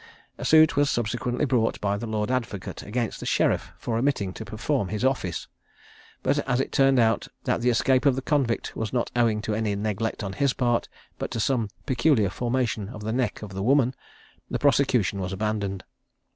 A suit was subsequently brought by the Lord Advocate against the sheriff for omitting to perform his office; but as it turned out that the escape of the convict was not owing to any neglect on his part, but to some peculiar formation of the neck of the woman, the prosecution was abandoned.